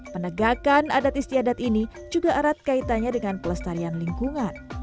penegakan adat istiadat ini juga erat kaitannya dengan pelestarian lingkungan